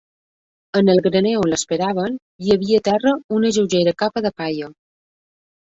En el graner on esperàvem, hi havia a terra una lleugera capa de palla